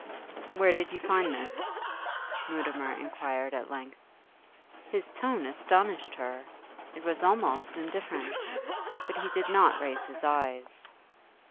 'Where did you find this?' Mutimer inquired at length. His tone astonished her; it was almost indifferent. But he did not raise his eyes.